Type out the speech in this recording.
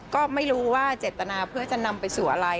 ก็ไม่รู้ว่าเจตนาเพื่อจะนำไปสู่อะไร